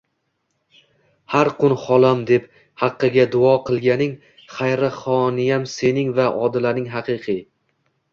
har qun holam deb haqqiga duo qilganing Xayriyaxonim sening va Odilaning haqiqiy